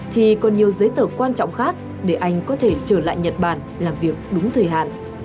thì còn nhiều giấy tờ quan trọng khác để anh có thể trở lại nhật bản làm việc đúng thời hạn